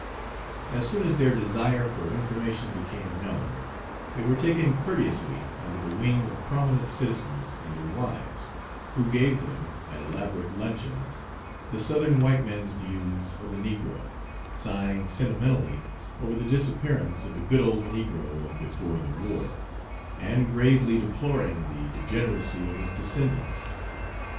As soon as their desire for information became known, they were taken courteously under the wing of prominent citizens and their wives, who gave them, at elaborate luncheons, the Southern white man's views of the negro, sighing sentimentally over the disappearance of the good old negro of before the war, and gravely deploring the degeneracy of his descendants.